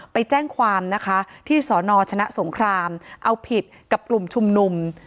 ไปแจ้งความนะคะที่สนชนะสงครามเอาผิดกับกลุ่มชุมนุม